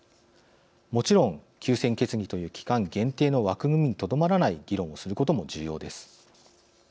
もちろん、休戦決議という期間限定の枠組みにとどまらない議論をすることも重要です。